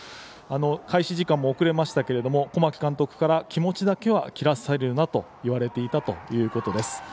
開始時間も遅れましたけど小牧監督から気持ちだけは、切らせるなと言われていたということです。